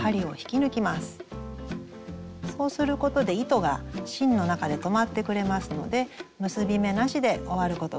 そうすることで糸が芯の中で留まってくれますので結び目なしで終わることができます。